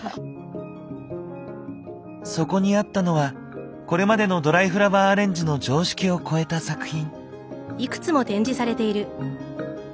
そこにあったのはこれまでのドライフラワーアレンジの常識をこえた作品。